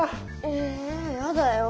えやだよ！